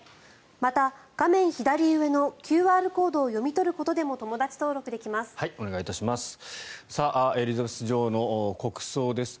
また、画面左上のＱＲコードを読み取ることでもお願いいたします。